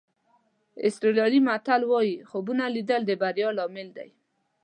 آسټرالیایي متل وایي خوبونه لیدل د بریا لامل دي.